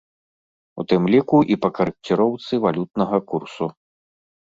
У тым ліку і па карэкціроўцы валютнага курсу.